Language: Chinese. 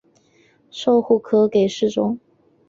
授户科给事中。